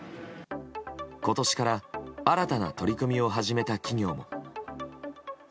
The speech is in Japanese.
今年から新たな取り組みを始めた企業も。